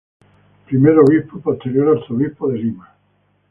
Primer obispo y posterior Arzobispo de Lima.